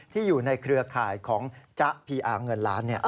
อยู่ในเครือข่ายของจ๊ะพีอาร์เงินล้าน